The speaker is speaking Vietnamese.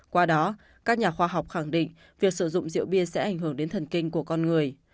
qua đó các nhà khoa học khẳng định việc sử dụng rượu bia sẽ ảnh hưởng đến thần kinh của con người